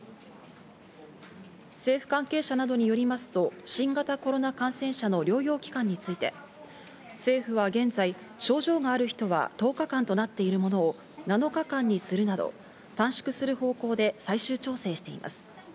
政府関係者などによりますと新型コロナ感染者の療養期間について、政府は現在、症状がある人は１０日間となっているものを７日間にするなど短縮する方向で最終調整しています。